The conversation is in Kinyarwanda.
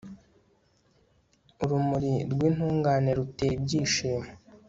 urumuri rw'intungane rutera ibyishimo